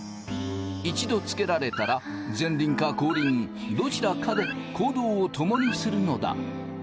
一度つけられたら前輪か後輪どちらかで行動を共にするのだ。